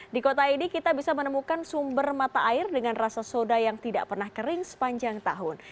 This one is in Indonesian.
di kota ini kita bisa menemukan sumber mata air dengan rasa soda yang tidak pernah kering sepanjang tahun